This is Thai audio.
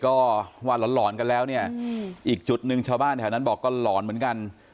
ก็ว่าหลอนกันแล้วเนี่ยอีกจุดหนึ่งชาวบ้านแถวนั้นบอกก็หลอนเหมือนกัน